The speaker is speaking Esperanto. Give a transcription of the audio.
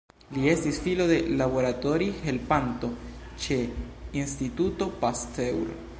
Li estis filo de laboratori-helpanto ĉe Instituto Pasteur.